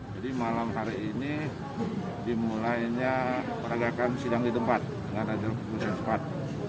jadi malam hari ini dimulainya peragakan sidang di tempat dengan adil kekuasaan sempat